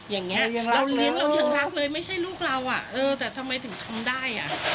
อย่างนี้เราเลี้ยงเรายังรักเลยไม่ใช่ลูกเราอ่ะเออแต่ทำไมถึงทำได้อ่ะ